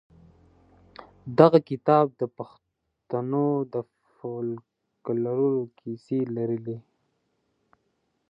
دغه کتاب د پښتنو د فولکلور کیسې لرلې.